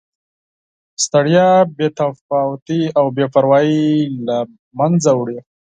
ستړیا، بې تفاوتي او بې پروایي له مینځه وړي.